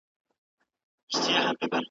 دومره لوړ سو چي له سترګو هم پناه سو .